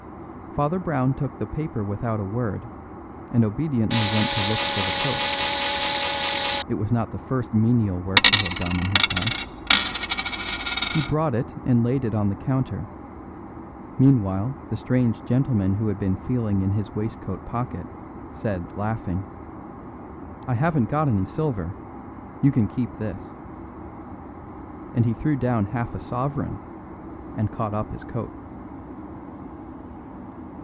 Father Brown took the paper without a word, and obediently went to look for the coat; it was not the first menial work he had done in his life. He brought it and laid it on the counter; meanwhile, the strange gentleman who had been feeling in his waistcoat pocket, said laughing: "I haven't got any silver; you can keep this." And he threw down half a sovereign, and caught up his coat.